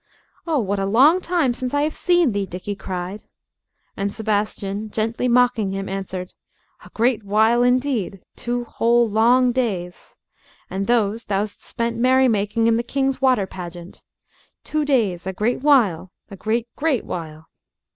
"Oh, what a long time since I have seen thee!" Dickie cried. And Sebastian, gently mocking him, answered, "A great while indeed two whole long days. And those thou'st spent merrymaking in the King's water pageant. Two days a great while, a great, great while."